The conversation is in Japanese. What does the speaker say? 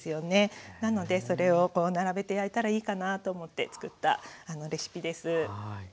なのでそれを並べて焼いたらいいかなと思ってつくったレシピです。